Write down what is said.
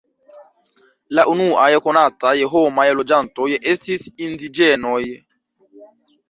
La unuaj konataj homaj loĝantoj estis indiĝenoj.